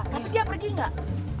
tapi dia pergi enggak